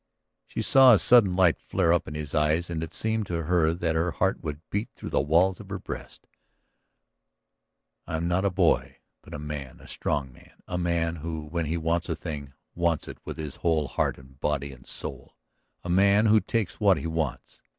She saw a sudden light flare up in his eyes and it seemed to her that her heart would beat through the walls of her breast. "I am not a boy, but a man. A strong man, a man who, when he wants a thing, wants it with his whole heart and body and soul, a man who takes what he wants.